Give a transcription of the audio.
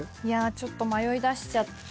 ちょっと迷いだしちゃって。